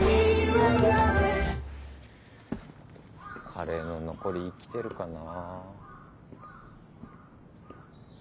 カレーの残り生きてるかなぁ。